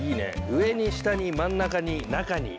上に下に真ん中に中に！